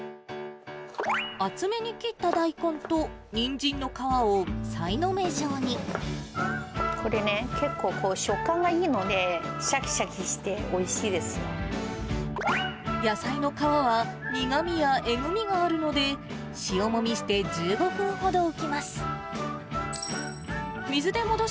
厚めに切った大根と、これね、結構食感がいいので、野菜の皮は、苦みやえぐみがあるので、塩もみして、１５分ほど置きます。